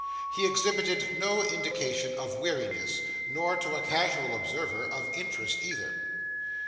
He exhibited no indication of weariness, nor, to a casual observer, of interest either.